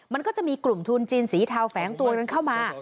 มันก็จะมีกลุ่มทุนจีนสีเทาแฝงตัวนั้นเข้ามา